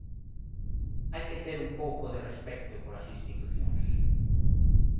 Hai que ter un pouco de respecto polas institucións.